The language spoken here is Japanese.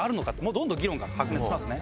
どんどん議論が白熱しますね。